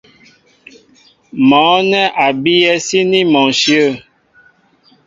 Mɔ̌ nɛ́ a bíyɛ́ síní mɔ ǹshyə̂.